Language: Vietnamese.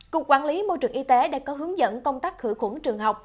cục quản lý môi trường y tế đã có hướng dẫn công tác khử khuẩn trường học